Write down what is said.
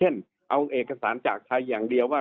เอาเอกสารจากไทยอย่างเดียวว่า